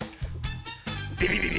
ビビビビ！